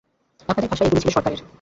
আপনাদের ভাষায় এগুলি ছিল সরকারের।